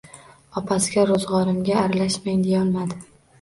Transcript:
Opasiga roʻzgʻorimga aralashmang deyolmadi